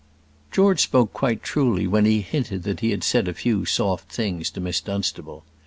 George spoke quite truly when he hinted that he had said a few soft things to Miss Dunstable.